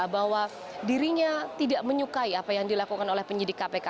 bahwa dirinya tidak menyukai apa yang dilakukan oleh penyidik kpk